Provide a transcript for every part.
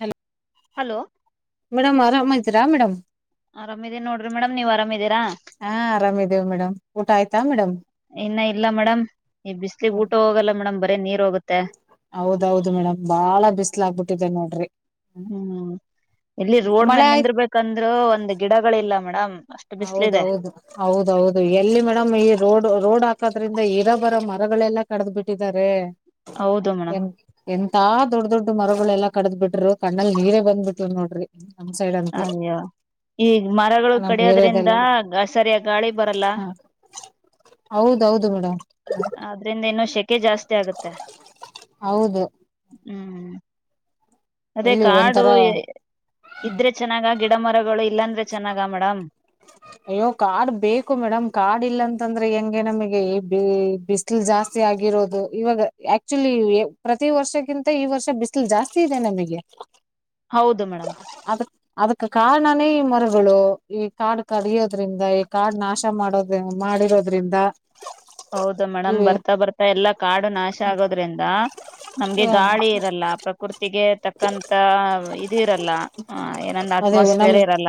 Hello hello madam ಆರಾಮ ಇದ್ದೀರಾ madam ಆರಾಮ ಇದೀನಿ ನೋಡ್ರಿ ಮೇಡಮ್ ನೀವು ಅರಾಮಿದೀರಾ ಹಾ ಆರಾಮ ಇದವ ಮೇಡಮ್ ಊಟ ಆಯ್ತಾ ಮೇಡಮ್ ಇನ್ನ ಇಲ್ಲ ಮೇಡಮ್ ಈ ಬಿಸ್ಲೀಗ್ ಊಟ ಹೋಗಲ್ಲ ಮೇಡಮ್ ಬರೀ ನೀರ್ ಹೋಗುತ್ ಹೌದೌದು ಮೇಡಮ್ ಬಾಳ ಬಿಸ್ಲ ಆಗ್ಬಿಟ್ಟಿದ್ದೆ ನೋಡ್ರಿ ಹ್ಮ್ ಇಲ್ಲಿ ರೋಡ್ ಮಳೆ ಮೇಲೆ ಆಯ್ತ್ ನಿಂದಿರ್ಬೇಕಂದ್ರು ಒಂದ್ ಗಿಡಗಳಿಲ್ಲ ಮೇಡ ಹ ಹೌದೌದು ಹೌದೌದು ಎಲ್ಲಿ ಮೇಡಮ್ ಈ ರೋಡ್ ರೋಡ ಹಾಕದ್ರಿಂದ ಇರಬರ ಮರಗಳೆಲ್ಲಾ ಕಡ್ದ್ ಬಿಟ್ಟಿದ್ದಾರೆ. ಹೌದು ಎ ಮೇಡಮ್ ಎಂತಾ ದೊಡ್ ದೊಡ್ ಮರಗಳೆಲ್ಲ ಕಡದ್ಬಿಟ್ರು ಕಣ್ಣಲ್ ನೀರೇ ಬಂದ್ಬಿಟ್ರು ನೋಡ್ರಿ. ನಮ್ ಸೈಡ್ ಅಂತೂ ಅಯ್ಯ ಈಗ ಮರಗಳು ನಮ್ ಕಡಿಯೋದೆ ರಿಂದ ಏರಿಯಾದಲ್ಲೆಲ್ಲ ಸರಿಯಾಗಿ ಗಾಳಿ ಬರಲ್ಲ. ಹೌದು. ಹೌದು ಮೇಡಮ್. ಶಕೆ ಜಾಸ್ತಿ ಆಗುತ್ತೆ ಹೌದು ಹ್ಮ್. ಅದೇ ಎಲ್ಲಿ ಕಾಡು ಒಂಥರ ಇದ್ರೆ ಚೆನ್ನಾಗ ಗಿಡ ಮರಗಳು ಇಲ್ಲಾಂದ್ರ ಚೆನ್ನಾಗ ಮೇಡಮ್. ಅಯ್ಯೋ ಕಾಡ್ ಬೇಕು ಮೇಡಮ್ ಕಾಡ್ ಇಲ್ಲ ಅಂತಂದ್ರೆ ಹೆಂಗೆ ನಮಗೆ ಬಿಸಿಲು ಜಾಸ್ತಿ ಆಗಿರೋದು ಇವಾಗ ಆಕ್ಚುಲಿ ಪ್ರತಿ ವರ್ಷಕ್ಕಿಂತ ಈ ವರ್ಷ ಬಿಸಿಲು ಜಾಸ್ತಿ ಇದೆ ನಮಗೆ. ಹೌದು ಮೇಡಮ್ ಅದಕ್ ಅದಕ್ಕೆ ಕಾರಣ. ಕಮ್ಮಿ ಮರಗಳು ಈ ಕಾಡು ಕಡಿಯೋದ್ರಿಂದ ಈ ಕಾಡ್ ನಾಶ ಮಾಡೋದ ಮಾಡಿರೋದ್ರಿಂದ. ಹೌದು ಮೇಡಮ್ ಇವೆ ಬರ್ತಾ ಬರ್ತಾ ಎಲ್ಲಾ ಕಾಡು ನಾಶ ಆಗೋದ್ರಿಂದ ನಮ್ಗೆ ಗಾಳಿ ಇರಲ್ಲ ಪ್ರಕೃತಿಗೆ ತಕ್ಕಂತ ಇದು ಇರಲ್ಲ ಏನಂದ ಅದೇ ನಮ್ ಅಟ್ಮಾಸ್ಫಿಯರ್ ಇರಲ್ಲ.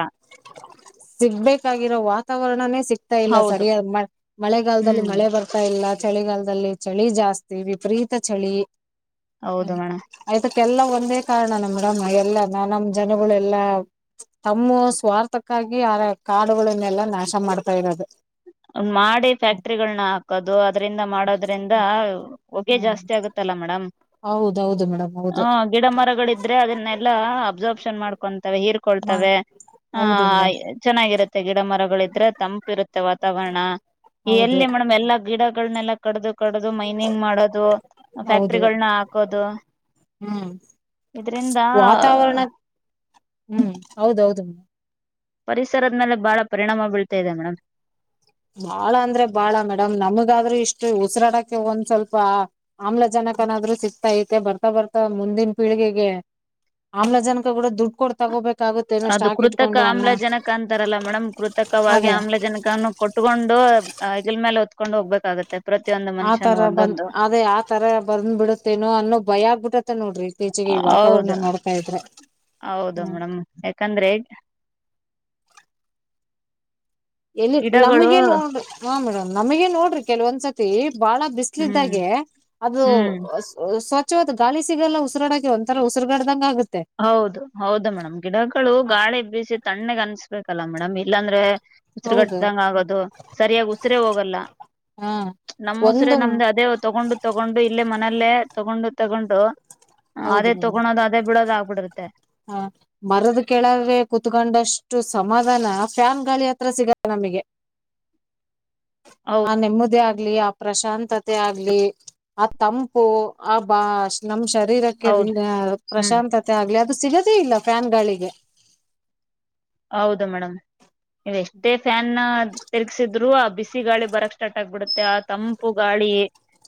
ಸಿಗ್ಬೇಕಾಗಿರೋ ವಾತಾವರಣನೇ ಸಿ ಸಿಗ್ತಾ ಇಲ್ಲ ಹೌದು ಸರಿಯಾದ ಮ ಮಳೆಗಾಲದಲ್ಲಿ ಹ್ಮ್ ಮಳೆ ಬರ್ತಾ ಇಲ್ಲ. ಚಳಿಗಾಲದಲ್ಲಿ ಚಳಿ ಜಾಸ್ತಿ ವಿಪರೀತ ಚಳಿ. ಹೌದು ಹ್ಮ್ ಮೇಡಮ್ ಆಯ್ತ. ಎಲ್ಲ ಒಂದೇ ಕಾರಣನ ಮೇಡಮ್ ಎಲ್ಲ ನ ನಮ್ ಜನಗಳೆಲ್ಲಾ ತಮ್ಮ ಸ್ವಾರ್ಥಕ್ಕಾಗಿ ಆರ ಕಾಡುಗಳನ್ನೆಲ್ಲಾ ನಾಶ ಮಾಡ್ತಾ ಇರೋದು. ಮಾಡಿ ಫ್ಯಾಕ್ಟ್ರಿಗಳನ್ನ ಹಾಕದು ಅದ್ರಿಂದ ಮಾಡೋದ್ರಿಂದ. ಹೊಗೆ ಹ್ಮ್ ಜಾಸ್ತಿ ಆಗುತ್ತಲ್ಲ ಮೇಡಮ್. ಹೌದೌದು ಮೇಡಮ್ ಹೌದು ಹ ಗಿಡ ಮರಗಳಿದ್ರೆ ಅದನ್ನೆಲ್ಲಾ ಅಬ್ಸರ್ಬ್ ಮಾಡ್ಕೊತಾವ ಮಾ ಹೀರ್ಕೊಳ್ತಾವೆ ಆ ಹೌದು ಮೇಡಮ್ ಚೆನ್ನ ತೆ ಗಿಡ ಮರಗಳಿದ್ರೆ ತಂಪಿರುತ್ತೆವ ವಾ ತಾವರಣ. ಹೌದು ಎಲ್ಲಿ ಮೇಡಮ್ ಎಲ್ಲಾ ಗಿಡಗಳನೆಲ್ಲ. ಕಡ್ದು. ಕಡದು ಮೈನಿಂಗ್ ಮಾಡೋದು ಹೌದು ಫ್ಯಾಕ್ಟ್ರಿಗಳನ್ನ ಹಾಕೋದು ಹ್ಮ್ ಇದ್ರಂದ. ವಾತಾವರಣ ಹ್ಮ್ ಹೌದೌದು ಪರಿಸರದ ಮೇಲೆ ಬಾಳ ಪರಿಣಾಮ ಬೀಳ್ತಾ ಇದೆ ಮೇಡಮಂ. ಬಾಳ ಅಂದ್ರೆ ಬಾಳ ಮೇಡಮ್ ನಮಗಾದ್ರೂ ಇಷ್ಟು ಉಸಿರಾಡಕ್ಕೆ ಒಂದ್ ಸ್ವಲ್ಪ ಆಮ್ಲಜನಕನಾದ್ರರು ಸಿಕ್ತಾ ಐತೆ ಬರ್ತಾ ಬರ್ತಾ ಮುಂದಿನ ಪೀಳಿಗೆಗೆ ಆಮ್ಲಜನಕ ಕೂಡ ದುಡ್ಡು ಕೊಡ್ ತಗೋಬೇಕ ಅದು ಕೃತಕ ಆಮ್ಲಜನಕ ಅಂತಾರಲ್ಲ ಮೇಡಮ್ ಕೃತಕವಾಗಿ ಅದೇ ಆಮ್ಲಜನಕನು ಕೊಟ್ಕೊಂಡು ಹೆಗಲ್ ಮೇಲೆ ಹೊತ್ಕೊಂಡು ಹೋಗ್ಬೇಕಾಗತ್ತೆ. ಪ್ರತಿಯೊಂದು ಮನುಷ್ಯನು ಆತರ ಬಂದ್ ಒಂದೊಂದು ಅದೇ ಆತರ ಬಂದ್ ಬಿಡುತ್ತೇನೋ ಅನ್ನೋ ಭಯ ಆಗ್ಬಿಟ್ಟ ನೋಡ್ರಿ. ಇತ್ತೀಚೆಗೆ ಈ ಹೌದ ವಾತಾವರಣ ನೋಡ್ತಾ ಇದ್ರೆ ಹೌದು ಹ್ಮ್ ಮೇಡಮ್ ಯಾಕಂದ್ರೆ. ಎಲ್ಲಿ ಗಿಡಗಳು ನಮಗ ನೋಡ್ರಿ ಹಾ ಮೇಡಮ್ ನಮಗೆ ನೋಡ್ರಿ ಕೆಲವೊಂದ್ಸತಿ. ತೀ. ಬಹಳ ಬಿಸಲು ಹ್ಮ್ ಇದ್ದಾಗೆ ಅದು ಹ್ಮ್ ಸ್ವಚ್ಛ ವಾದ ಗಾಳಿ ಸಿಗಲ್ಲ ಉಸಿರಾಡೋಕೆ ಒಂಥರ ಉಸರು ಕಾಟ್ದಂಗೆ ಆಗ ಹೌದು ಹೌದು ಮೇಡಮ್ ಗಿಡಗಳು ಗಾಳಿ ಬಿಸಿ ತಣ್ಣಗ ಅನ್ ಲ್ಲ ಮೇಡಮ್ ಇಲ್ಲಾಂದ್ರೆ ಹೌದು ಉಸಿರುಗಟ್ಟ್ದಂಗ ಆಗೋದು ಸರಿಯಾಗಿ ಉಸಿರೇ ಹೋಗಲ್ಲ ಹಾ ನಮ್ ಉಸಿರ ಒಂದು ನಮ್ದ ಅದೇ ತಗೊಂಡು ತಗೊಂಡು ಇಲ್ಲೇ ನಲ್ಲೇ ತಗೊಂಡು ತಗೊಂಡು. ಹೌದು ಅದೇ ಮೇಡಮ್ ತೊಗೊಳೊದು ಅದೇ ಬಿಡೋದ ಆಗ್ ಹ ಮರದ ಕೆಳಗೆ ಕೂತ್ಕೊಂಡಷ್ಟ. ಅಷ್ಟು ಸಮಾಧಾನ ಫ್ಯಾನ್ ಗಾಳಿ ಹತ್ರ ಸಿಗಲ್ಲ ನಮಗೆ. ಹಾ ಹೌದು ನೆಮ್ಮದಿ ಆಗ ಆ ಆ ಪ್ರಶಾಂತತೆ ಆಗ್ಲಿ ಆ ತಂಪು ಆ ಬ ನಂ ಶ ಶರೀರಕ್ಕೆ ಹೌದು ಹ್ಮ್ ಪ್ರಶಾಂತತೆ ಆಗ್ಲಿದು ಅದು ಸಿಗದೇ ಇಲ್ಲ ಫ್ಯಾನ್ ಗಾಳಿಗೆ. ಹೌದು ಮೇಡಮ್ ನೀವ್ ಎಷ್ಟೇ ಫ್ಯಾನ್ ತಿರ್ಗಸಿದ್ರು ಆ ಬಿಸಿ ಗಾಳಿ ಬರಕ್ ಸ್ಟಾರ್ಟ್ ಆಗ್ಬಿಡುತ್ತೆ ಆ ತಂಪು ಗಾಳಿ.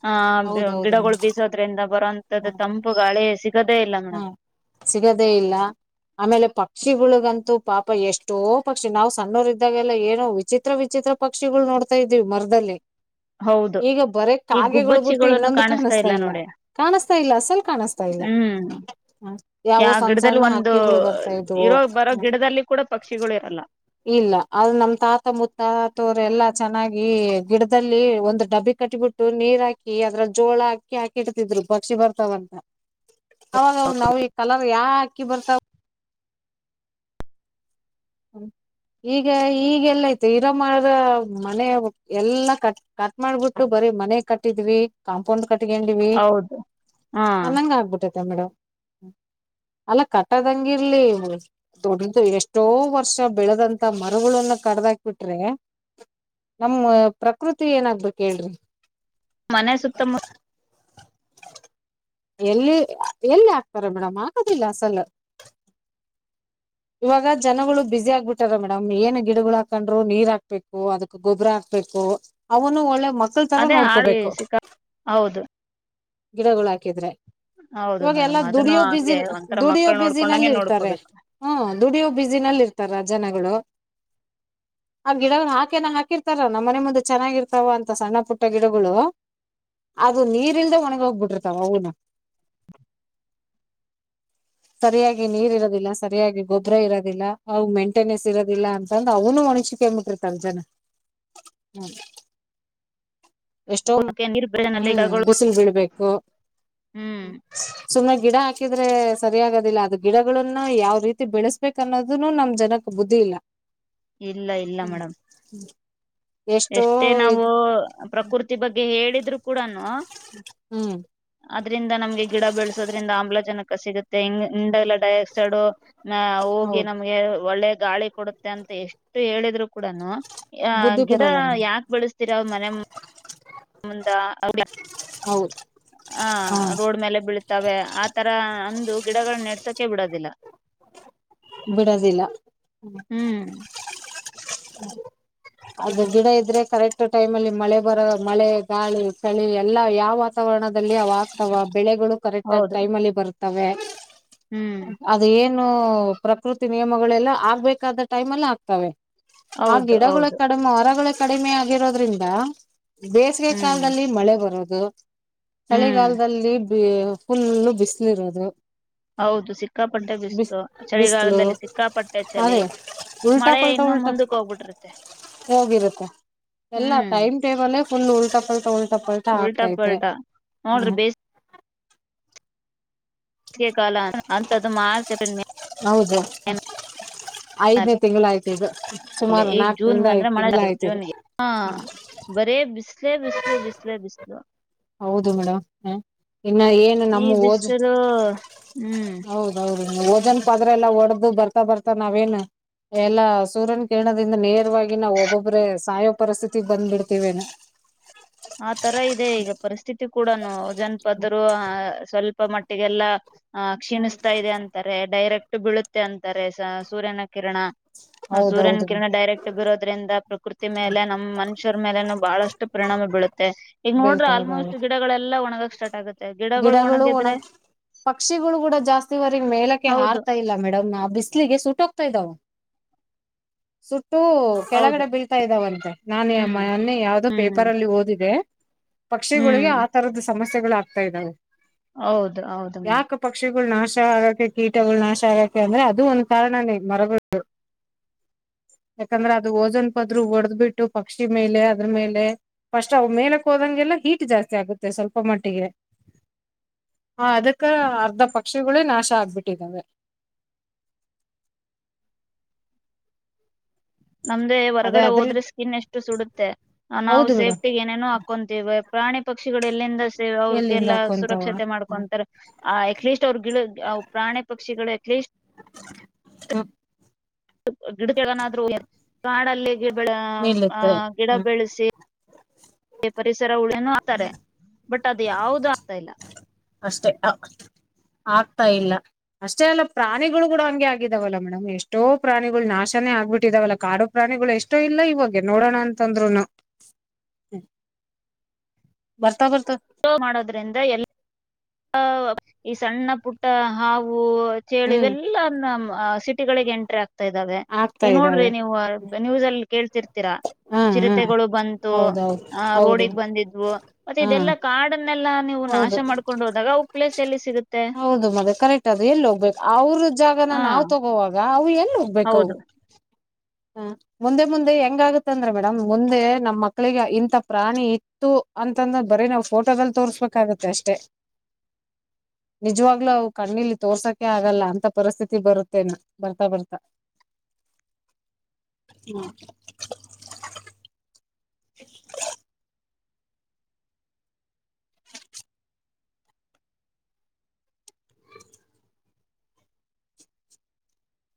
ಹ ಹೌದೌದು ಗಿಡಗಳು ಬೀಸೋದ್ರಿಂದ ಬರುವಂತದ್ದು ಮೇಡಮ್ ತಂಪು ಗಾಳಿ ಸಿಗದೆ ಹಾ ಸಿಗದೇ ಇಲ್ಲ ಆಮೇಲೆ ಪಕ್ಷಿಗಳು. ಗಂತೂ ಪಾಪ ಎಷ್ಟೋ ಪಕ್ಷಿ ನಾವು ಸಣ್ಣರ್ ಇದ್ದಾಗೆಲ್ಲ ಏನೋ ವಿಚಿತ್ರ ವಿಚಿತ್ರ ಪಕ್ಷಿಗಳು ನೋಡ್ತಾ ಇದ್ವಿ ಮರದಲ್ಲಿ. ಹೌದು ಈಗ ಬರೇ ಈ ಕಾಗೆಗಳು ಬಿಟ್ಟು ಗುಬ್ಬಚ್ಚಿಗಳನ್ನು ಇನ್ನೊಂದು ಕಾಣಿಸ್ತಾ ಇಲ್ಲ ನೋಡಿ ಕಾಣಸ್ತಾ ಇಲ್ಲ ಅಸಲ್ ಕಾಣಿಸ್ತಾ ಇಲ್ಲ. ಹ್ಮ್ ಯಾವೋ ಯಾವ ಸಣ್ಣ ಗಿಡದಲ್ಲಿ ಸಣ್ಣ ಒಂದು ಹಾಕ್ಕಿಗಳು ಬರ್ತಾ ಇದ್ವು ಇರೋ ಬರೋ ಗಿಡದಲ್ಲಿ ಕೂಡ ಪಕ್ಷಿಗಳು ಇರಲ್ಲ ಇಲ್ಲ ಆದ್ರ ನಮ ತಾತ ಮುತ್ತಾತವ್ರ ಎಲ್ಲಾ ಚೆನ್ನಾಗಿ ಈ ಗಿಡದಲ್ಲಿ ಒಂದು ಡಬ್ಬಿ ಕಟ್ಟಿಬಿಟ್ಟು ನೀರ್ ಹಾಕಿ ಅದ್ರ ಜೋಳ ಹಾಕಿ ಹಾಕಿಡ್ತಿದ್ರು ಪಕ್ಷಿ ಬರ್ತಾವಂತ. ಅವಾಗ ನಾವ ಈ ಕಲರ್ ಯಾ ಅಕ್ಕಿ ಬರ್ತಾವ. ಈಗ ಈಗೆಲೈತಿ ಇರಮರ ಮನೆ ಎಲ್ಲಾ ಕಟ್ ಕಟ್ ಮಾಡ್ಬಿಟ್ಟು ಬರೀ ಮನೆ ಕಟ್ಟಿದ್ವಿ ಕಾಂಪೌಂಡ್. ಕಟ್ಗಂಡಿವಿ ಹೌದು ಹಾ ಅನ್ನಂಗ ಆಗ್ಬಿಟ್ಟತಿ. ಮೇಡಮ್ ಅಲ್ಲ ಕಟ್ಟದಂಗಿ ಇರ್ಲಿ ದೊಡ್ಡ ಎಷ್ಟೋ ವರ್ ವರ್ಷ ಬೆಳೆದಂತ ಮರಗಳನ್ನ ಕಡದ ಹಾಕ್ ಬಿಟ್ರೆ ನಮ್ಮ ಪ್ರಕೃತಿ ಏನಗ್ಬೇಕು ಹೇಳ್ರಿ. ಮನೆ ಸುತ್ತಮುತ್ತ. ಎಲ್ಲಿ ಎಲ್ಲಿ ಹಾಕ್ತಾರ ಮೇಡಮ್ ಹಾಕದಿಲ್ಲ ಅಸಲ. ಇವಾಗ ಜನಗಳು ಬ್ಯುಸಿ ಆಗ್ಬಿಟ್ಟಾರ ಮೇಡಮ್ ಏನ್ ಗಿಡಗಳು ಹಾಕಂಡ್ರು ನೀರ್ ಹಾಕ್ಬೇಕು ಅದಕ್ ಗೊಬ್ಬರ ಹಾಕ್ಬೇಕು ಅವನು ಒಳ್ಳೆ ಮ ಅದೇ ಹಾ ಸಿ ಹೌದು. ಗಿಡಗಳು ಹಾಕಿದ್ರೆ. ಹೌದು ಇವಾಗ ಎಲ್ಲಾ ಮೇಡಮ್ ಅದನ್ನು ದುಡಿಯೋ ಬಿಸಿ ಹಂಗೆ ಒಂಥರ ಮಕ್ಕಳ ನೋಡ್ಕೊಂಡಂಗೆ ನೋಡ್ಕೋಬೇಕು. ಹ್ಮ ದುಡಿಯೋ ಬ್ಯುಸಿನಲ್ಲಿ ಇರ್ತಾರ ಜನಗಳು ಆ ಗಿಡಗಳು ಹಾಕೆನ ಹಾಕಿರ್ತಾರ ನಮ್ ಮನೆ ಮುಂದೆ ಚೆನ್ನಾಗಿರ್ತಾವ ಅಂತ ಸಣ್ಣ ಪುಟ್ಟ ಗಿಡಗಳು ಅದು ನೀರಿ ಇಲ್ದೆ ಒಣಗಿ ಹೋಗಬಿಟ್ಟಿರ್ತಾವ ಅವುನೂ ಸರಿಯಾಗಿ ನೀರ್ ಇರೋದಿಲ್ಲ. ಸರಿಯಾಗಿ ಗೊಬ್ರ ಇರೋದಿಲ್ಲ ಅವ್ ಮೇಂಟೆನೆನ್ಸ್ ಇರೋದಿಲ್ಲ ಅಂತಂದ ಅವನು ಒಣಚಿಕೇಬಿಟ್ಟಿರ್ತಾರ ಜನ. ಎಷ್ಟೋ ಅಕೆ ನೀರ್ ಬೆನಲ್ಲಿ ಹ್ಮ್ ಗಿಡಗಳು ಬಿಸಿಲು ಬೀಳ್ಬೇಕು ಹ್ಮ್ ಸುಮ್ಮನೆ ಗಿಡ ಹಾಕಿ. ಹಾಕಿದ್ರೆ ಸರಿ ಆಗೋದಿಲ್ಲ ಅದು ಗಿಡಗಳನ್ನ ಯಾವ ರೀತಿ ಬೆಳೆಸ್ಬೇಕು ಅನ್ನೋದನು ನಮ್ ಜನಕ್ ಬುದ್ಧಿ ಇಲ್ಲ. ಇಲ್ಲ ಇಲ್ಲ ಮೇಡಮ್ ಎಷ್ಟೋ ಎಷ್ಟೇ ನಾವು ಇದು ಪ್ರಕೃತಿ ಬಗ್ಗೆ ಹೇಳಿದ ಕೂಡನು ಹ್ಮ್ ಅದ್ರಿಂದ ನಮ್ಗೆ ಗಿಡ ಬೆಳೆಸೋದ್ರಿಂದ ಆಮ್ಲಜನಕ ಸಿಗುತ್ತೆ ಹ ಡೈಆಕ್ಸೈಡ್ ಹೋಗಿ ಹೌದು ನಮ್ಗೆ ಒಳ್ಳೆ ಗಾಳಿ ಕೊಡುತ್ತೆ ಅಂತ ಎಷ್ಟು ಹೇಳಿದ್ರು ಕೂಡನು ಆ ಬುದ್ಧಿ ಗಿಡ ಬರಲ್ಲ ಮೇಡಂ ಯಾಕ ಬೆಳಸ್ತಿರ ಅವ್ ಮನೆ ಮುಂದ ಹೌದು ಹ ಹಾ ರೋಡ್ ಮೇಲೆ ಬೀಳತವೆ ಆತರ ಅಂದು ಗಿಡಗಳು ನಡ್ಸೋಕೆ ಬಿಡೋದಿಲ್ಲ ಬಿಡದಿಲ್ಲ ಹ್ಮ್ ಅದು ಗಿಡ ಇದ್ರೆ ಕರೆಕ್ಟ್ ಟೈಮ್ ಅಲ್ಲಿ ಮಳೆ ಬರ ಮಳೆ ಗಾಳಿ ಚಳಿ ಎಲ್ಲಾ ಯಾವ ವಾತಾವರಣದಲ್ಲಿ ಅವಾಗತವ ಬೆಳೆಗಳು ಕರೆಕ್ಟ್ ಆಗ ಹೌದು ಟೈಮ್ ಅಲ್ಲಿ ಬರುತ್ತೆ ತವೇ ಹ್ಮ್ ಅದೇ ನು ಪ್ರಕೃತಿ ನಿಯಮಗಳೆಲ್ಲ ಆಗ್ಬೇಕಾದ ಟೈಮ್ಲ್ಲ ಆಗ್ತವೆ ಆ ಹೌದು ಗಿಡಗಳ ಹೌದು ಕಡಮೆ ಮರಗಳ ಕಡಿಮೆ ಆಗಿರೋದ್ರಿಂದ ಬೇಸಿಗೆ ಹ್ಮ್ ಕಾಲದಲ್ಲಿ ಮಳೆ ಬರೋದು ಹ ಹ್ಮ್ ಚಳಿಗಾಲದಲ್ಲಿ ಫುಲ್ ಬಿಸಿಲಿ ಇರೋದು ಹೌದು ಸಿಕ್ಕಾಪಟ್ಟೆ ಬಿಸಿಲು ಬಿಸ್ಲು ಚಳಿಗಾಲದಲ್ಲಿ ಸಿಕ್ಕಾಪಟ್ಟೆ ಹೂ ಚಳಿ ಉಲ್ಟಾ ಮಳೆ ಪಲ್ಟಾ ಇನ್ನೂ ಉಲ್ಟ ಮುಂದಕ್ ಹೋಗ್ಬಿಟ್ಟಿರುತ್ತೆ ಹೋಗಿರುತ್ತೆ ಎಲ್ಲ ಹ್ಮ್ ಟೈಮ್ ಟೇಬಲೇ ಫುಲ್ ಉಲ್ಲಟ ಪಲ್ಲಟ ಉಲ್ಟಾ ಪಲ್ಟಾ ನೋಡ್ರಿ ಬೇಸ್ ಕಾಲ ಅಂತ್ದು ಮಾರ್ಚ್ಏಪ್ರಿಲ್ ಹೌದು ಐದನೇ ತಿಂಗಳ ಆಯ್ತು ಇದು ಸುಮಾರು ಈ ಜನ್ ನಾಲ್ಕರಿಂದ ಐದ್ ತಿಂಗಳ ಆಯ್ತು ಇದು ಅಂದ್ರೆನ್ ಬರಿ ಬಿಸಿಲು ಬಿಸ್ಲೇ ಬಿಸ್ಲು ಬಿಸಲೆ ಬಿಸ್ಲು ಹೌದು ಮೇಡಮ್ ಹಾ ಇನ್ನು ಏನು ಈ ನಮ್ಮ ಓಜ ಬಿಸಿಲು ಹ್ಮ್ ಹೌದೌದು ಇನ್ನುಓ ಓಜೋನ ಪದ್ರ ಎಲ್ಲಾ ಒಡ್ದ ಬರ್ತಾ ಬರ್ತಾ ನಾವೇನ್ ಎಲ್ಲಾ ಸೂರ್ಯನ ಕಿರಣೋದಿಂದ ನೇರವಾಗಿ ನಾವ್ ಒಬ್ಬೊಬ್ರೆ ಸಾಯೋ ಪರಿಸ್ಥಿತಿ ಬಂದ್ಬಿಡ್ತಿವೇನ. ಆ ತರ ಇದೆ ಈಗ ಪರಿಸ್ಥಿತಿ ಕೂಡನು ಜನಪದರು ಸ್ವಲ್ಪ ಅಪ್ಪ ಮಟ್ಟಿಗೆಲ್ಲ. ಹ ಕ್ಷೀಣಿಸ್ತಾ ಇದೆ ಅಂತಾರೆ ಡೈರೆಕ್ಟ್. ಷ್ಟು ಬೀಳುತ್ತೆ ಅಂತಾರೆ ಸೂರ್ಯನ ಕಿರಣ. ಸೂರ್ಯನ ಹೌದೌದು ಕಿರಣ ಡೈರೆಕ್ಟ್ ಬಿರೋದ್ರಿಂದ ಪ್ರಕೃತಿ ಮೇಲೆ ನಮ್ ಮನುಷ್ಯರ ಮೇಲೆನು ಬಹಳಷ್ಟು ಪರಿಣಾಮ ಬೀಳುತ್ ಈಗ ನೋಡ್ರೆ ಬೀಳ್ತಾ ಇದ್ದಾವೆ ಆಲ್ಮೋಸ್ಟ್ ಗಿಡಗಳೆಲ್ಲ ಒಣಗಾಕ ಸ್ಟಾರ್ಟ್ ಸ್ಟಾರ್ಟ್ ಆಗುತ್ ಗಿಡಗಳು ಒಣ ಪಕ್ಷಿಗಳು ಕೂಡ ಜಾಸ್ತಿವರೆಗ್ ಮೇಲಕ್ಕೆ ಹೌದು ಹಾರ್ತಾ ಇಲ್ಲ ಮೇಡಮ್ ಆ ಬಿಸಲಿಗೆ ಸುಟೋಗ್ ಹೋಗತಿದಾವು ಸುಟ್ ಸುಟ್ಟು ಹೌದು ಕೆಳಗಡೆ ಬೀಳ್ತಾ ಇದ್ದಾವಂತೆ ನಾನು ಹ್ಮ್ ಮೊನ್ನೆ ಯಾವ್ದೋ ಹ್ಮ್ ಪೇಪರ್ ಅಲ್ಲಿ ಓದಿದೆ. ಪಕ್ಷಿಗಳಿಗೆ ಹ್ಮ್ ಆ ತರದ ಸಮಸ್ ಸೆಗಳು ಆಗ್ ಆಗ್ತಾ ಇದ್ದಾವೆ. ಹೌದು ಹೌದು ಮ್ಯಾಮ್. ಅವುಗಳು ನಾಶ ಆಗಕೆ ಕೀಟಗಳು ನಾಶ ಆಗಕೆ ಅಂದ್ರೆ ಅದು ಒಂದ್ ಕಾರಣನೇ ಮರಗಳು ಯಾಕಂದ್ರೆ ಅದು ಓಜನ್ ಪದ್ರರು ಒಡೆದ್ ಬಿಟ್ಟು ಪಕ್ಷಿ ಮೇಲೆ ಅದ್ರ ಮೇಲೆ ಫಸ್ಟ್ ಅವು ಮೇಲಕ್ ಹೋದಂಗೆಲ್ಲ ಹೀಟ್ ಜಾಸ್ತಿ ಆಗುತ್ತೆ ಸ್ವಲ್ಪ ಮಟ್ಟಿಗೆ. ಹ ಅದಕ್ಕ ಅರ್ಧ ಪಕ್ಷಿಗಳೇ ನಾಶ ಆಗ್ಬಿಟ್ಟಿದ್ದಾವೆ. ನಮ್ದೇ ಅದೇ ಹೊರಗಡೆ ಅದ್ರ ಹೋದ್ರೆ ಸ್ಕಿನ್ ಎಷ್ಟು ಸುಡುತ್ತೆ ನಾವು ಹೌದು ಮೇಡಮ್ ಸೇಫ್ಟಿಗೆ ಏನೇನೋ ಹಾಕೊಂತೀವಿ ಪ್ರಾಣಿ ಪಕ್ಷಿಗಳು ಎಲ್ಲಿಂದ ಸೇ ಎಲ್ಲಿಂದ ಅವರಿಗೆಲ್ಲ ಹಾಕೊಂತಾವ ಸುರಕ್ಷತೆ ಹ್ಮ ಮಾಡ್ಕೊಂತಾರೆ. ಹ ಅಟ್ಲಿಸ್ಟ್. [unintelligible] ಪ್ರಾಣಿ ಪಕ್ಷಿಗಳು ಅಟ್ಲೀಸ್ಟ. ಗಿಡಕೆನಾದ್ರು ಕಾಡಲ್ಲಿ. ಹ ಹ್ಮ್ ಗಿಡ ಬೆಳಸಿ. ಪರಿಸರ. ಅಂತಾರೆ ಬಟ್ ಅದು ಯಾವದು ಆಗ್ತಾ ಇಲ್ಲ. ಅಷ್ಟೇ ಆಗ್ತಾ ಇಲ್ಲ ಅಷ್ಟೇ ಅಲ್ಲ ಪ್ರಾಣಿಗಳು ಕೂಡ ಹಂಗೆ ಆಗಿದಾವಲ್ಲ ಮೇಡಮ್ ಎಷ್ಟೋ ಪ್ರಾಣಿಗಳು ನಾಶನೇ ಆಗ್ಬಿಟ್ಟಿದಾವಲ್ಲ ಕಾಡು ಪ್ರಾಣಿಗಳು ಎಷ್ಟೋ ಇಲ್ಲ ಇವಾಗೆ ನೋಡೋಣ ಅಂತಂದ್ರುನು. ಬರ್ತಾ ಸ್ಲೋ ಮಾಡೋದ್ರಿಂದ ಎಲ್ಲ. ಈ ಸಣ್ಣ ಪುಟ್ಟ ಹಾವು. ಓ ಚೇಳ ಹ್ಮ್ ಇವೆಲ್ಲಾ ನಮ ಸಿಟಿಗಳಿಗೆ ಎ ಟ್ರಕ್. ಅಗ್ತಾ ಇದಾವೆ ಆಗ್ತಾ ಏ ನೋಡ್ರಿ ಇದ್ದಾವೆ ನೀವು ನ್ಯೂಸ್ ಅಲ್ಲಿ. ಕೇಳ್ತಿರ್ ಹಾ ಹಾ ಚಿರತೆಗಳು ಬಂತು ಹೌದೌದು ಹೌದು ರೋಡಿಗೆ ಬಂದಿದ್ವು ಮತ್ತೆ ಹಾ ಇದೆಲ್ಲ ಕಾಡಲ್ಲಿ. ಎಲ್ಲ ನೀವು ನಾಶ ಹೌದು ಮಾಡ್ ಹೌದು? ಮದ ಕರೆಕ್ಟ್, ಅದು ಎಲ್ಲಿ ಹೋಗ್ಬೇಕು ಅವ್ರ ಜಾಗನ, ಹಾ ನಾವ್ ತಗೋವಾಗ? [inaudible] ಉುಯಲ್.. [inaudible] ಹೋಗ್ಬೇಕು? [inaudible] ಹೌದು ಹ ಮುಂದೆ, ಮುಂದೆ, ಹೆಂಗಾಗತ್ತಂದ್ರ ಮೇಡಮ್ ಮುಂದೆ. ನಮ್ ಮಕ್ಕಳಿಗೆ, ಇಂತ ಪ್ರಾಣಿ, ಇತ್ತು ಅಂತಂದ್ರ ಬರೀ ನಾವ್ ಪೇಟೋಲ್ ತೋರ್ಸ್ಬೇಕಾಗತ್ತೆ, ಅಷ್ಟೆ ನಿಜವಾಗ್ಲುೂ ಅವು ಕಣ್ಣಿಲಿ ತೋರ್ಸಕೆ ಆಗಲ್ಲ ಅಂತ ಪರಿಸ್ಥಿತಿ ಬರುತ್ತೇನ್ ಬರ್ತಾ, ಬರ್ತಾ. [unintelligible] ಹ್ಮ್. [inaudible] [inaudible]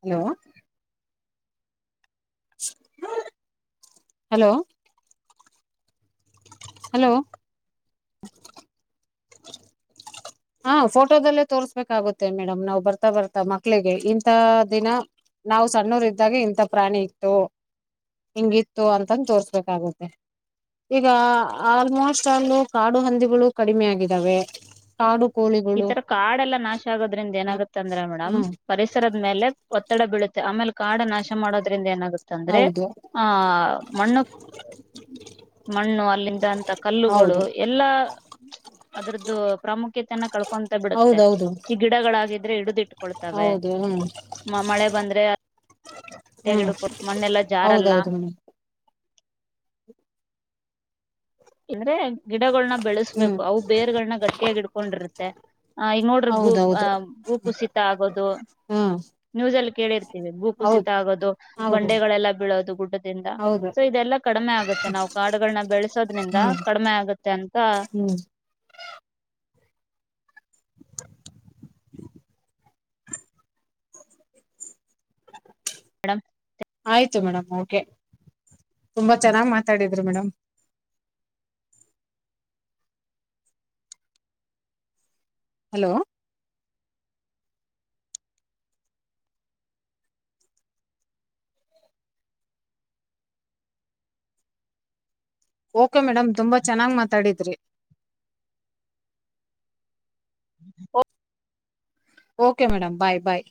ಹಲೋ? ! [inaudible] Hello!.. hello! [inaudible] ಹಾ, ಫೋಟೋದಲ್ಲೇ ತೋರ್ಸ್ಬೇಕಾಗುತ್ತೆ ಮೇಡಮ್. ನಾವ್ ಬರ್ತಾ, ಬರ್ತಾ, ಮಕ್ಳಿಗೆ ಇಂತಥ ದಿನ. ನಾವ್ ಸಣ್ಣೂರ್ ಇದ್ದಾಗ ಇಂಥ ಪ್ರಾಣಿ ಇತ್ತು ಹಿಂಗಿತ್ತು ಅಂತಂದು, ತೋರ್ಸ್ಬೇಕಾಗುತ್ತೆ. ಈಗ ಆಲ್ಮೋಸ್ಟ್ ಅೂ ಕಾಡು ಹಂದಿಗಳು ಕಡಿಮೆ ಆಗಿದಾವೆ. [unintelligible] ಆಾಡು.. [inaudible] ಈ, ತರ ಕಾಡೆ ಎಲ್ಲಾ ನಾಶ. ಆಗೋದ್ರಿಂದ ಹ್ಮ ಏನಾಗತ್ತ ಅಂದ್ರೆ ಮೇಡಮ್. ಹ್ಮ್ ಪರಿಸರದ, ಮೇಲೆ ಒ? [inaudible] ಒತ್ತಡ, ಬೀಳುತ್ತೆ. ಆಮೇಲೆ ಕಾಡಾಶ ಮಾಡೋದ್ರಿಂದ ಏನಾಗುತ್ತೆ. [inaudible] ಆ ತಂದ್ರೆ ಹೌದು ಆಹ. ಮಣ್ಣು, ಮಣ್ಣು ಅಲ್ಲಿಂದಂತ ಕಲ್ಲುಗಳು ಹೌದು ಎಲ್ಲಾ? [inaudible] ಅದ್ರದ್ದು, ಪ್ರಾಮುಖ್ಯತೆ. [inaudible] [inaudible] ಅಂತ, ಬಿಡುತ್ತೆ ಹೌದೌದು ಈ ಗಿಡಗಳಾಗ? [inaudible] ಎಡು. [inaudible] ತ, ಹೌದು ಹ್ಮ್ ಮಳೆ ಬಂದ್ರೆ. [inaudible] ಹ್ಮ್ ತಗಡು, ಕೊಡ್, ಮಣ್ಣೆಲ್ಲ, ಜರಾಲಾ.. [inaudible] ಹೌದೌದು ಮೇಡಮ್ ಅಂದ್ರೆ, ಗಿಡಗಳನ್ನ? ಹ್ಮ್ ಬೆಳೆಸ್ಬೇಕು, ಅವು ಬೇರ್ಗಳನ್ನ ಗಟ್ಟಿಯಾಗಿ. [inaudible] ಕೊಡು ಇರುತ್ತೆ.. [inaudible] ಆ, ಈಗ ನೋಡ್ರೆ. ಭೂ, ಹೌದೌದು ಭೂ, ಕುಸಿತ ಆಗೋದು ಹ್ಮ್ ನ್ಯೂಸ್ಲ್ಲಿ.? [inaudible] ಕೇಳ ಇರು? [inaudible] ಭೂ, ಕುುಸಿತ ಹೌದು ಆಗೋದು ಹೌದು ಬಂಡೆಗಳೆಲ್ಲ, ಬೀಳೋದು, ಗುಡ್ಡದಿಂದ, ಹೌದು ಸೊ ಇದೆಲ್ಲಾ ಕಡಿಮೆ ಆಗುತ್ತೆ. ನಾವು ಕಾಡುಗಳನ್ನ ಬೆಳೆಸೋದು? [unintelligible] ಹ್ಮ್ ಕಡಿಮೆ ಆಗುತ್ತೆ ಅಂತ ಹ್ಮ್ ಮೇಡಮ ಮೇಡ್ ತುಂಬಾ ಚೆನ್ನಾಗ್ ಮಾತಾಡಿದ್ರಿ ಮೇಡಮ್ ಹಲೋ ಓಕೆ ಮೇಡಮ್ ತುಂಬಾ ಚೆನ್ನಾಗ್ ಮಾತಾಡಿದ್ರಿ ಹ okay madam bye bye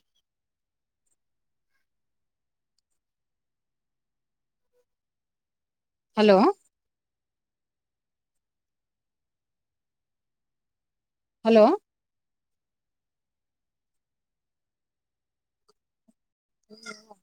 hello hello ಹ್ಮ